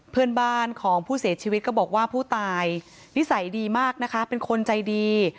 เพื่อนบ้านของผู้เสียชีวิตก็บอกว่าผู้ตายนิสัยดีมากนะคะเป็นคนใจดี